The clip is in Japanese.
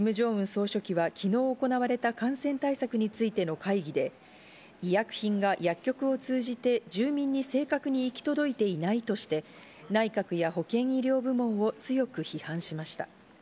総書記は昨日行われた感染対策についての会議で、医薬品が薬局を通じて住民に正確に行き届いていないとして、内閣や保健医療部門を強く批判しました。